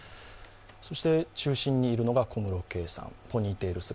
そして中心にいるのが小室圭さん、ポニーテール姿。